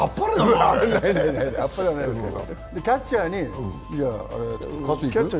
いやいや、あっぱれはないですけど。